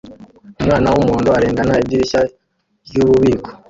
Umwana wumuhondo arengana idirishya ryububiko